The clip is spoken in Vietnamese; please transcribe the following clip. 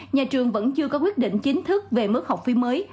nhà trường vẫn chưa có quyết định chính thức về mức học phí mới